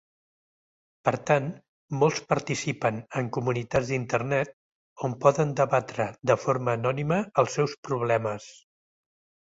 Per tant, molts participen en comunitats d'Internet, on poden debatre de forma anònima els seus problemes.